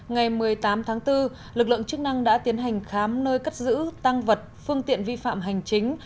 ngày một mươi tám tháng bốn lực lượng chức năng đã tiến hành khám nơi cất giữ tăng vật phương tiện vi phạm hành chính